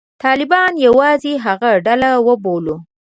طالبان یوازې هغه ډله وبولو.